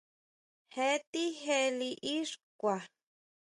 Jetije liʼí xkua.